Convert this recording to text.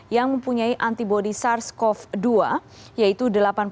yang mempunyai antibody sars cov dua yaitu delapan puluh delapan